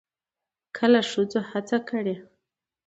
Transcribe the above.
کله ښځو هڅه کړې